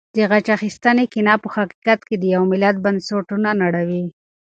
د غچ اخیستنې کینه په حقیقت کې د یو ملت بنسټونه نړوي.